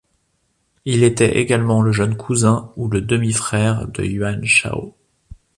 Il était également le jeune cousin ou le demi-frère de Yuan Shao.